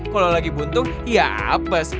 kalau lagi buntung ya apes